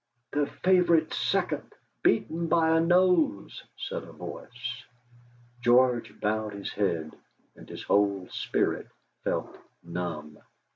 "The favourite's second! Beaten by a nose!" said a voice. George bowed his head, and his whole spirit felt numb.